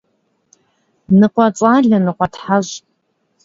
Nıkhuets'ale - nıkhuetheş'.